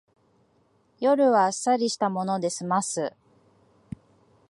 夜はあっさりしたもので済ます